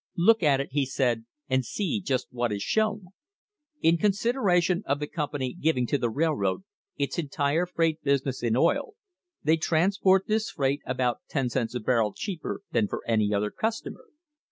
Look at it, he said, and see just what is shown. In con sideration of the company giving to the railroad its entire freight business in oil, they transport this freight about ten cents a barrel cheaper than for any other customer.